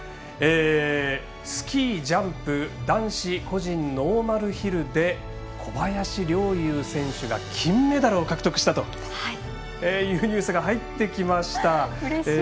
スキー・ジャンプ男子個人ノーマルヒルで小林陵侑選手が金メダルを獲得したというニュースが入ってきました。